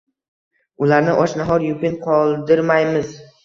Ularni och-nahor, yupin qoldirmaymiz.